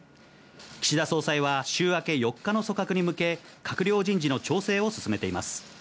岸田総裁は週明け４日の組閣に向け、閣僚人事の調整を進めています。